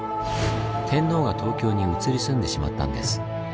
天皇が東京に移り住んでしまったんです。